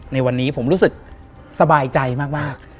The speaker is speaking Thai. ในวันนี้ผมรู้สึกสบายใจมาก